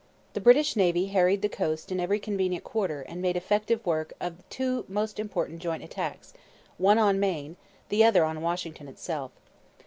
The British Navy harried the coast in every convenient quarter and made effective the work of two most important joint attacks, one on Maine, the other on Washington itself.